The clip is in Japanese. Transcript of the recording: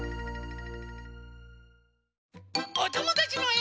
おともだちのえを。